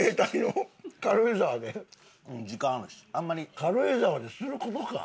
軽井沢でする事か？